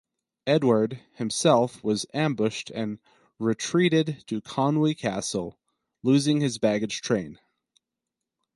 Edward himself was ambushed and retreated to Conwy Castle, losing his baggage train.